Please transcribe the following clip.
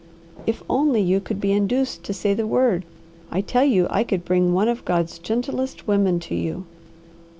If only you could be induced to say the word, I tell you I could bring one of God's gentlest women to you."